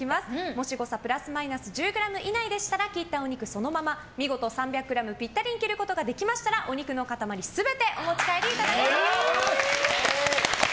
もし誤差プラスマイナス１０ｇ以内でしたら切ったお肉をそのまま見事３００ｇぴったりに切ることができましたらお肉の塊全てお持ち帰りいただけます。